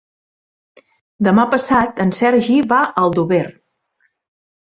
Demà passat en Sergi va a Aldover.